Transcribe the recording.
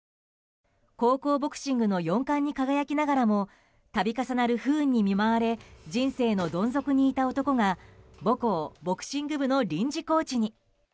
高校ボクシングの４冠に輝きながらも度重なる不運に見舞われ人生のどん底にいた男が母校ボクシング部の臨時コーチに。